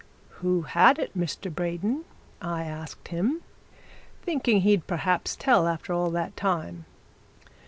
'Who had it, Mr. Braden?' I asked him, thinking that he'd perhaps tell after all that time.